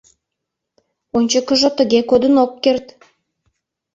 Ончыкыжо тыге кодын ок керт.